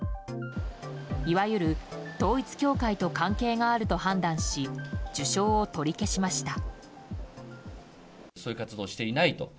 いわゆる統一教会と関係があると判断し受賞を取り消しました。